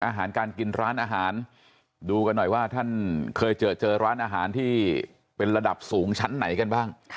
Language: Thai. อาหารการกินร้านอาหารดูกันหน่อยว่าท่านเคยเจอเจอร้านอาหารที่เป็นระดับสูงชั้นไหนกันบ้าง